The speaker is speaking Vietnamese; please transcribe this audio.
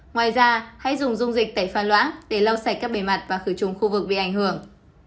ngoài ra hãy dùng dung dịch tẩy pha loã để lau sạch các bề mặt và khử trùng khu vực bị ảnh hưởng